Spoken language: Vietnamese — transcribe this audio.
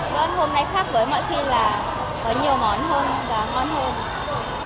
bữa ăn hôm nay khác với mọi khi là có nhiều món hơn và ngon hơn